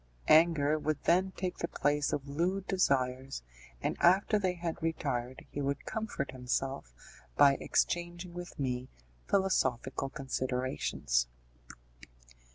Anger would then take the place of lewd desires, and after they had retired he would comfort himself by exchanging with me philosophical considerations.